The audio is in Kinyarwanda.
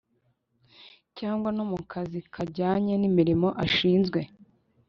cyangwa no mu kazi kajyanye n imirimo ashinzwe